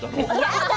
やだ！